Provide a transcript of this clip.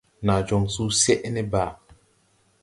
Naa jɔŋ susɛʼ ne Bàa.